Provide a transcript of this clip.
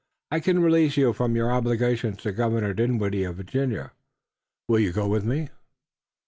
I can release you from your obligations to Governor Dinwiddie of Virginia. Will you go with me?"